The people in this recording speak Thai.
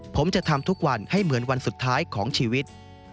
ผมจะทำทุกวันให้เหมือนวันสุดท้ายของชีวิต